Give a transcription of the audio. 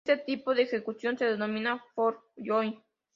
Este tipo de ejecución se denomina fork-join.